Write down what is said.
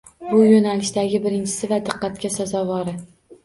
Bu yo‘nalishdagi birinchisi va diqqatga sazovori